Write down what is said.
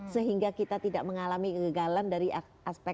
yang tentunya menyangka nah sudah tekan pr